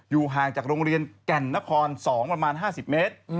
ห่างจากโรงเรียนแก่นนคร๒ประมาณ๕๐เมตร